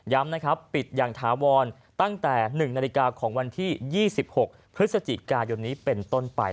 นะครับปิดอย่างถาวรตั้งแต่๑นาฬิกาของวันที่๒๖พฤศจิกายนนี้เป็นต้นไป